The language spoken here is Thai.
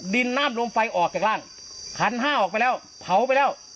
นาบลมไฟออกจากร่างขันห้าออกไปแล้วเผาไปแล้ว